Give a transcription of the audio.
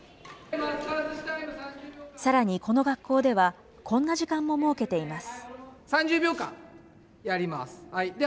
さらにこの学校では、こんな時間も設けています。